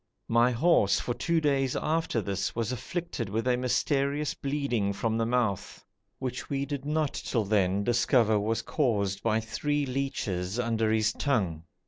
My horse, for two days after this, was afflicted with a mysterious bleeding from the mouth which we did not till then discover was caused by three leeches under his tongue.